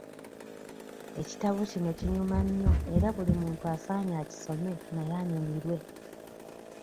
Ekitabo kino kinyuma nnyo era buli muntu asaanye akisome naye anyumirwe.